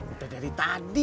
udah dari tadi